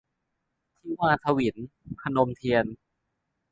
ทิวาถวิล - พนมเทียน